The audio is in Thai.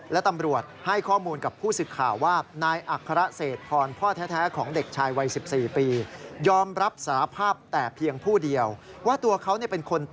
และตำรวจให้ข้อมูลกับผู้สึกข่าวว่า